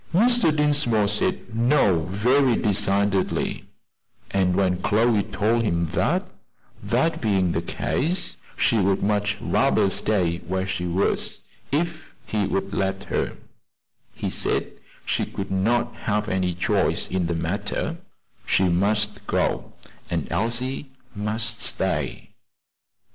Mr. Dinsmore said "No," very decidedly; and when Chloe told him that that being the case, she would much rather stay where she was, if he would let her, he said she could not have any choice in the matter; she must go, and Elsie must stay.